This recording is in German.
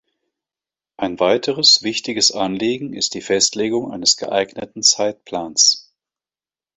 Ein weiteres wichtiges Anliegen ist die Festlegung eines geeigneten Zeitplans.